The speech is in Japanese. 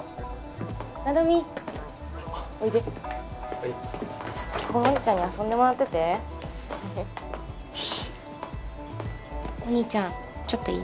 七海おいでおいでちょっと甲野おじちゃんに遊んでもらっててお兄ちゃんちょっといい？